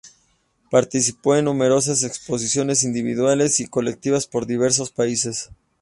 Participó en numerosas exposiciones individuales y colectivas por diversos países.